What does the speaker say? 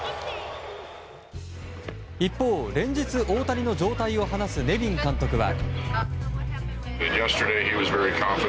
一方、連日、大谷の状態を話すネビン監督は。